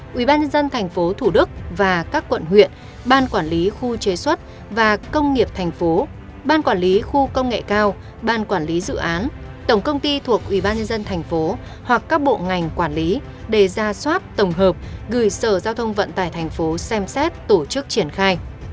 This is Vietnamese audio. phương án hai ubnd tp hcm và các quận huyện ban quản lý khu chế xuất và công nghiệp tp ban quản lý khu công nghệ cao ban quản lý dự án tổng công ty thuộc ubnd tp hoặc các bộ ngành quản lý để ra soát tổng hợp gửi sở giao thông vận tải tp xem xét tổ chức triển khai